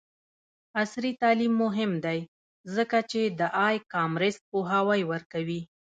عصري تعلیم مهم دی ځکه چې د ای کامرس پوهاوی ورکوي.